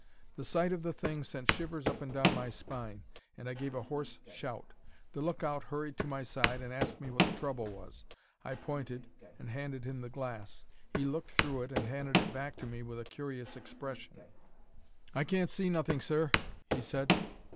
The sight of the thing sent shivers up and down my spine, and I gave a hoarse shout. The lookout hurried to my side and asked me what the trouble was. I pointed and handed him the glass. He looked through it and handed it back to me with a curious expression. "'I can't see nothing, sir,' he said.